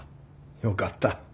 よかった。